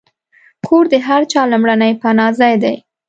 کور د هر چا لومړنی پناهځای دی.